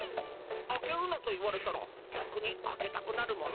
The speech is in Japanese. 「開けるな」と言われたらぎゃくに開けたくなるもの。